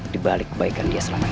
di balik kebaikan dia selama ini